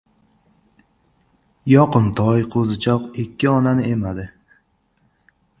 • Yoqimtoy qo‘zichoq ikki onani emadi.